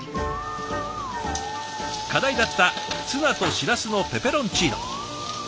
課題だったツナとしらすのペペロンチーノ。